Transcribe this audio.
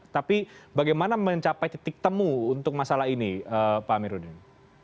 tapi bagaimana mencapai titik temu untuk masalah ini pak amiruddin